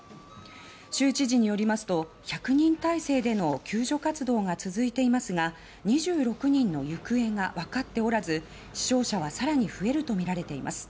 州知事によりますと１００人体制での救助活動が続いていますが２６人の行方がわかっておらず死傷者はさらに増えるとみられています。